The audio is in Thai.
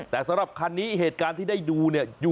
แต่สำหรับคันนี้เหตุการณ์ที่ได้ดูเนี่ย